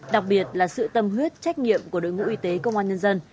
đặc biệt là sự tâm huyết trách nhiệm của đội ngũ y tế công an nhân dân